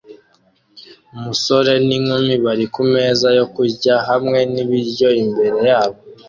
Umusore n'inkumi bari kumeza yo kurya hamwe nibiryo imbere yabo